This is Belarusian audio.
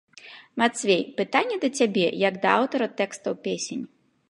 Мацвей, пытанне да цябе, як да аўтара тэкстаў песень.